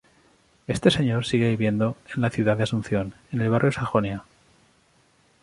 Este señor sigue viviendo en la ciudad de Asunción, en el barrio Sajonia.